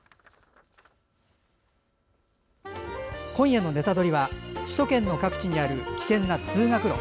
今夜の「ネタドリ！」は首都圏の各地にある危険な通学路。